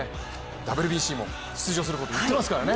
ＷＢＣも出場することを言っていますからね。